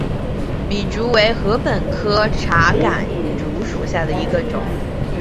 笔竹为禾本科茶秆竹属下的一个种。